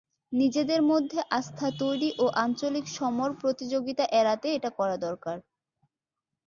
নিজেদের মধ্যে আস্থা তৈরি ও আঞ্চলিক সমর প্রতিযোগিতা এড়াতে এটা করা দরকার।